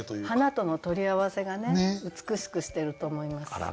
花との取り合わせがね美しくしてると思います。